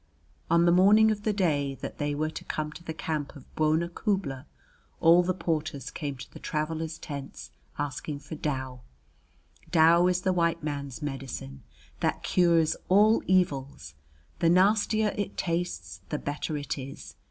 On the morning of the day that they were to come to the camp of Bwona Khubla all the porters came to the travelers' tents asking for dow. Dow is the white man's medicine, that cures all evils; the nastier it tastes, the better it is.